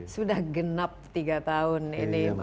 sudah genap tiga tahun ini